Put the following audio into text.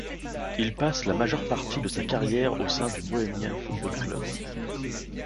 Il passe la majeure partie de sa carrière au sein du Bohemian Football Club.